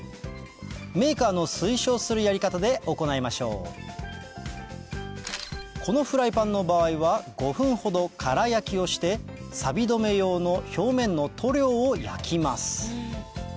メーカーの推奨するやり方で行いましょうこのフライパンの場合は５分ほど空焼きをしてさび止め用の表面の塗料を焼きます